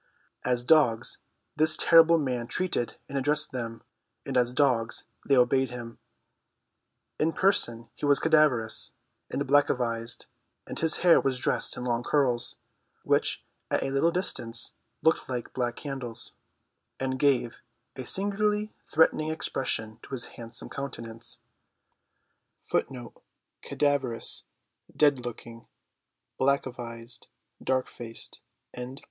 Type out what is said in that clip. As dogs this terrible man treated and addressed them, and as dogs they obeyed him. In person he was cadaverous and blackavized, and his hair was dressed in long curls, which at a little distance looked like black candles, and gave a singularly threatening expression to his handsome countenance.